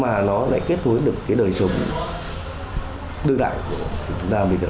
mà nó lại kết nối được cái đời sống đương đại của chúng ta bây giờ